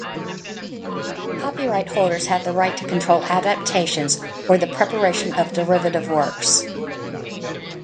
Copyright holders have the right to control adaptations, or the preparation of "derivative works".